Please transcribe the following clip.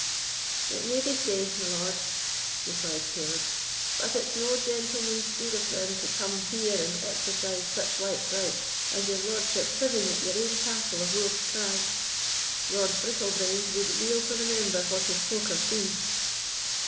"It may be sae, my lord," replied Caleb; "but it's no gentleman's deed of them to come here and exercise such like right, and your lordship living at your ain castle of Wolf's Crag. Lord Bittlebrains would weel to remember what his folk have been."